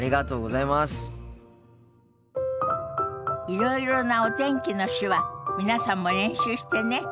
いろいろなお天気の手話皆さんも練習してね。